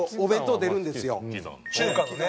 中華のね。